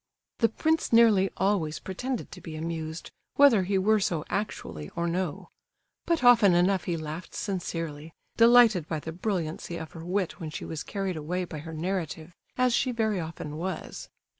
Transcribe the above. The prince nearly always pretended to be amused, whether he were so actually or no; but often enough he laughed sincerely, delighted by the brilliancy of her wit when she was carried away by her narrative, as she very often was.